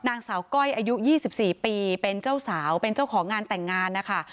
นางสาวก้อยอายุ๒๔ปีเป็นเจ้าสาวเป็นเจ้าของงานแต่งงานนะคะ